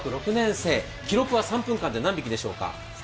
記録は３分間で何匹でしょうか。